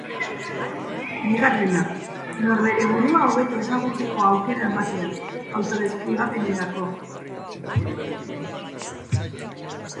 Bigarrena: norbere burua hobeto ezagutzeko aukera ematea, autodeskribapenerako hiztegia eskainiz.